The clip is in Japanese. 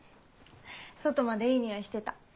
外までいい匂いしてた。